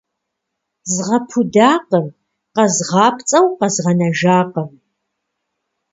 Згъэпудакъым, къэзгъапцӏэу къэзгъэнэжакъым.